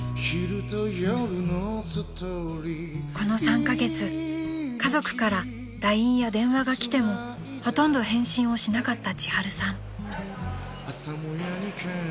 ［この３カ月家族からＬＩＮＥや電話が来てもほとんど返信をしなかった千春さん］